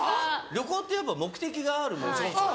旅行ってやっぱ目的があるものだから。